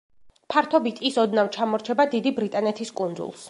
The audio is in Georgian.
ფართობით ის ოდნავ ჩამორჩება დიდი ბრიტანეთის კუნძულს.